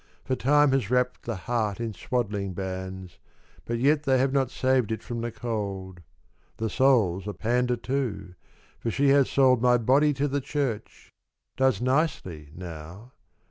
For Time has wrapp'd the heart in swaddling bands But yet they have not saved it from the cold. — The soul 's a pander too ; for she has sold My body to the Church ; does nicely now.